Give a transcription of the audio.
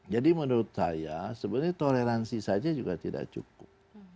jadi menurut saya sebenarnya toleransi saja juga tidak cukup